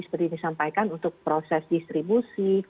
seperti disampaikan untuk proses distribusi